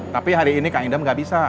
tapi hari ini kang idam gak bisa